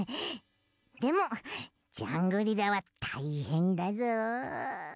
でもジャングリラはたいへんだぞ！